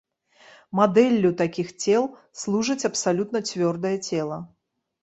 Мадэллю такіх цел служыць абсалютна цвёрдае цела.